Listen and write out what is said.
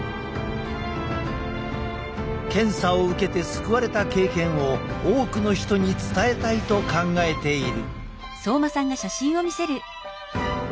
検査を受けて救われた経験を多くの人に伝えたいと考えている。